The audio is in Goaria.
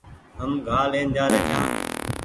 هم گآ لين جآري ڇآن